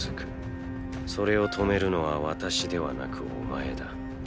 それを止めるのは私ではなくお前だ。